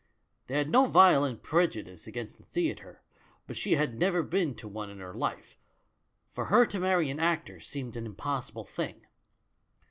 They had no violent prejudice against the theatre, but she had never been to one in her life; for her to marry an actor seemed an impossible thing.